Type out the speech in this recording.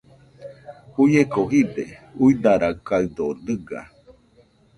Uieko jide, uidarakaɨdo dɨga.